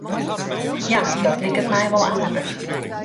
Ja, dat liket my wol aardich.